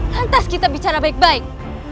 lantas kita bicara baik baik